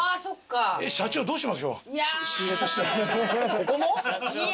ここも？